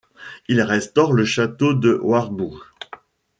Il restaure le château de Wartbourg.